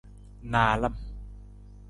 Naalam.